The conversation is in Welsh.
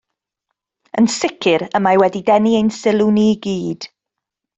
Yn sicr y mae wedi denu ein sylw ni i gyd